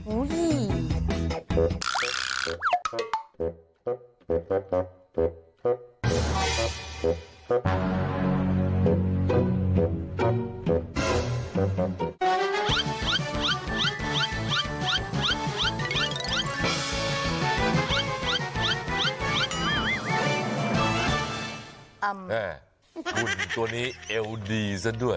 หุ่นตัวนี้เอวดีซะด้วย